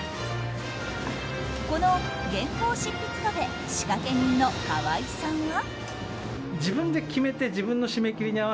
この原稿執筆カフェ仕掛け人の川井さんは。